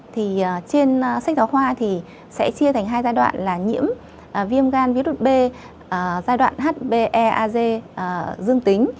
trên sách giáo khoa thì sẽ chia thành hai giai đoạn là nhiễm viêm gan virus b giai đoạn hbe ag dương tính